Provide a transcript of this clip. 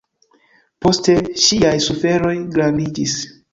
Poste, ŝiaj suferoj grandiĝis.